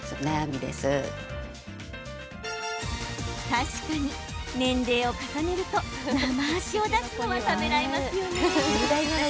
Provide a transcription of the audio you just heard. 確かに年齢を重ねるとナマ足を出すのはためらいますよね。